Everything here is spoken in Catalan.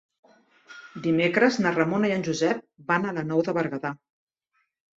Dimecres na Ramona i en Josep van a la Nou de Berguedà.